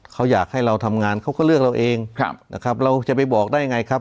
เขาอยากให้เราทำงานเขาก็เลือกเราเองครับนะครับเราจะไปบอกได้ไงครับ